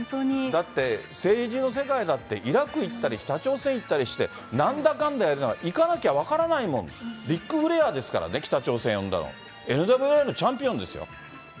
だって、政治の世界だって、イラク行ったり、北朝鮮行ったりして、なんだかんだやりながら、行かなきゃわからないもん、ビッグフレアーですからね、ＮＷＡのチャンピオンですよ。